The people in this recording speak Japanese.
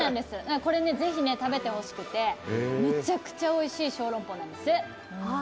これ、ぜひ食べていただきたくて、めちゃくちゃおいしい小籠包なんです。